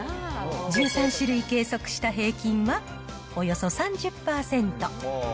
１３種類計測した平均は、およそ３０％。